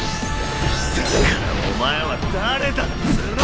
だからお前は誰だっつぅの！